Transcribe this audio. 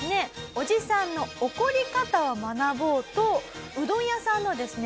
おじさんの怒り方を学ぼうとうどん屋さんのですね